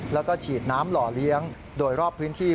แล้วก็ฉีดน้ำหล่อเลี้ยงโดยรอบพื้นที่